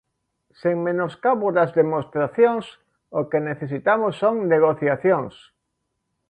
Sen menoscabo das demostracións, o que necesitamos son negociacións.